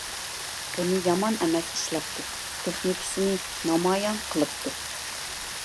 بۇنى يامان ئەمەس ئىشلەپتۇ، تېخنىكىسىنى نامايان قىلىپتۇ.